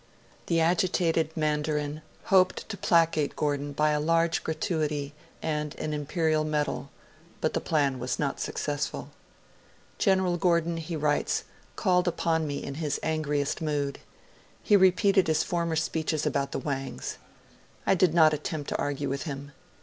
The agitated Mandarin hoped to placate Gordon by a large gratuity and an Imperial medal; but the plan was not successful. 'General Gordon,' he writes, 'called upon me in his angriest mood. He repeated his former speeches about the Wangs. I did not attempt to argue with him